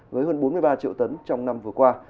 với hơn bốn mươi ba triệu tấn trong năm vừa qua